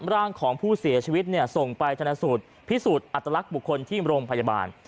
ร่างของผู้เสียชีวิตส่งไปชนะสูตรพิสูจน์อัตลักษณ์บุคคลที่โรงพยาบาล